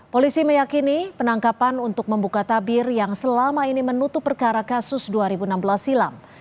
polisi meyakini penangkapan untuk membuka tabir yang selama ini menutup perkara kasus dua ribu enam belas silam